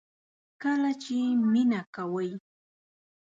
کله چې مینه کوئ